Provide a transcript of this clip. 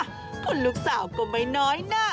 อ่ะคุณลูกสาวก็ไม่น้อยน่ะ